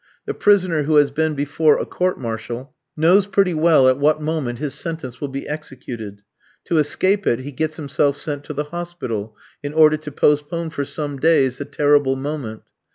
The prisoner who has been before a court martial knows pretty well at what moment his sentence will be executed. To escape it he gets himself sent to the hospital, in order to postpone for some days the terrible moment.